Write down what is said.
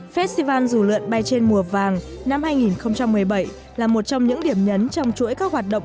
festival dù lượn bay trên mùa vàng năm hai nghìn một mươi bảy là một trong những điểm nhấn trong chuỗi các hoạt động